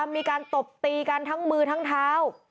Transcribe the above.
มีการตบตีกันทั้งมือทั้งเท้า